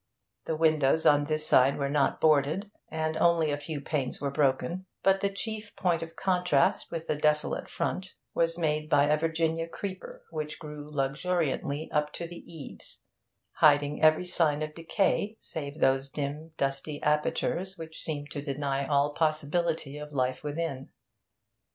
The windows on this side were not boarded, and only a few panes were broken; but the chief point of contrast with the desolate front was made by a Virginia creeper, which grew luxuriantly up to the eaves, hiding every sign of decay save those dim, dusty apertures which seemed to deny all possibility of life within.